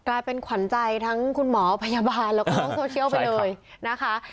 กลายเป็นขวัญใจทั้งคุณหมอพยาบาลแล้วก็โซเชียลไปเลยนะคะ